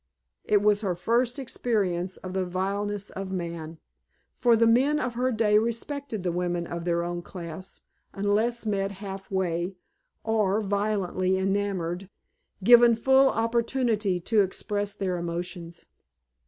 It was her first experience of the vileness of man, for the men of her day respected the women of their own class unless met half way, or, violently enamoured, given full opportunity to express their emotions.